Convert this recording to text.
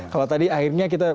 kalau tadi akhirnya kita